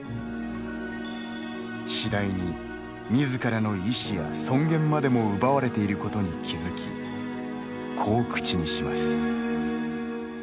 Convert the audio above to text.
次第にみずからの意思や尊厳までも奪われていることに気付き、こう口にします。